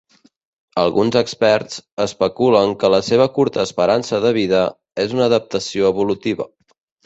Alguns experts especulen que la seva curta esperança de vida és una adaptació evolutiva.